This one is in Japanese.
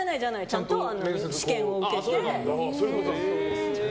ちゃんと試験を受けて。